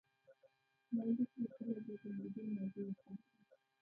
ما لیک لیکلی دی د نږدې ماضي مثال دی.